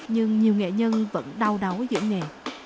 nhưng nhiều nghệ nhân vẫn đau đáu giữa nghề